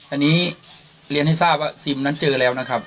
อันนี้เรียนให้ทราบว่าซิมนั้นเจอแล้วนะครับ